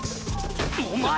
お前！